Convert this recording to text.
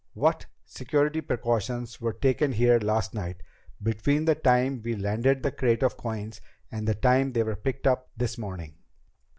"What security precautions were taken here last night, between the time we landed the crate of coins and the time they were picked up this morning?"